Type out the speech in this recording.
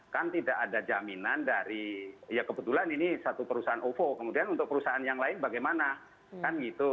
kan tidak ada jaminan dari ya kebetulan ini satu perusahaan ovo kemudian untuk perusahaan yang lain bagaimana kan gitu